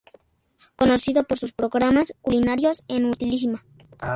Conocido por sus programas culinarios en Utilísima.